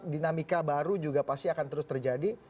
dinamika baru juga pasti akan terus terjadi